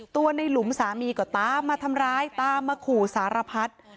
ตัวในหลุมสามีก็ตามมาทำร้ายตามมาขู่สารพัฒน์